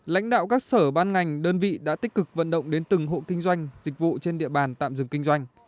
lãnh đạo các sở ban ngành đơn vị đã tích cực vận động đến từng hộ kinh doanh dịch vụ trên địa bàn tạm dừng kinh doanh